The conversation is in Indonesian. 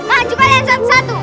maju kalian satu satu